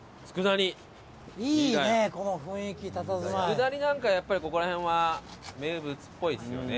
佃煮なんかやっぱりここら辺は名物っぽいですよね。